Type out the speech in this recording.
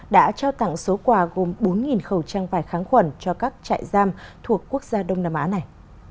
đã trao tặng số quà gồm bốn khẩu trang vải kháng khuẩn cho các trại giam thuộc quốc gia đông nam á này